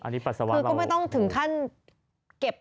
อันนี้ปรัสวะเปล่าก็ไม่ต้องถึงขั้นเก็บ